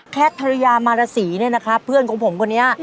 ภรรยามารสีเนี่ยนะครับเพื่อนของผมคนนี้